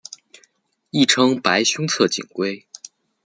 亦称白胸侧颈龟。